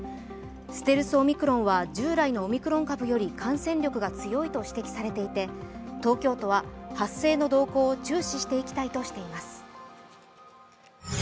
ステルスオミクロンは従来のオミクロン株より感染力が強いと指摘されていて東京都は発生の動向を注視していきたいとしています。